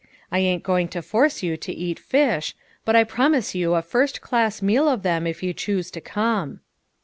I ain't going to force you to eat fish ; but I promise you a first class meal of them if you choose to come."